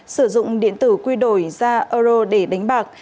sử dụng điện tử quy đổi ra euro để đánh bạc